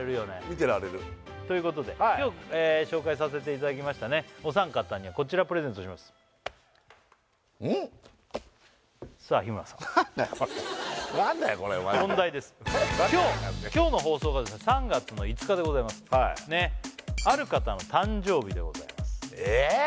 見てられるということで今日紹介させていただきましたお三方にはこちらプレゼントしますさあ日村さん何だよこれ問題です今日の放送が３月５日でございますある方の誕生日でございますえ